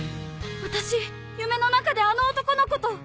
私夢の中であの男の子と。